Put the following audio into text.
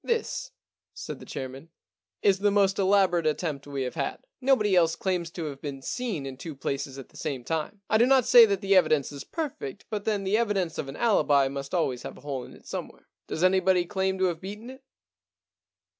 This,* said the chairman, * is the most elaborate attempt we have had. Nobody else claims to have been seen in two places at the same time. I do not say that the evidence is perfect, but then the evidence of an alibi must always have a hole in it somewhere. Does anybody claim to have beaten it